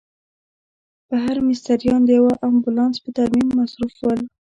بهر مستریان د یوه امبولانس په ترمیم مصروف ول.